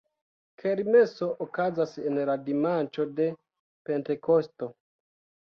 Kermeso okazas en la dimanĉo de Pentekosto.